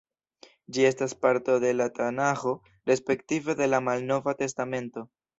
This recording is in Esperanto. Ĝi estas parto de la Tanaĥo respektive de la Malnova Testamento.